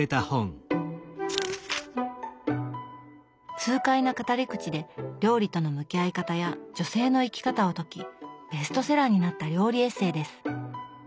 痛快な語り口で料理との向き合い方や女性の生き方を説きベストセラーになった料理エッセーです。